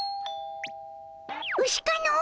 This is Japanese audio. ウシかの？